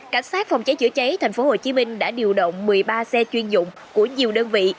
cảnh sát phòng cháy chữa cháy tp hcm đã điều động một mươi ba xe chuyên dụng của nhiều đơn vị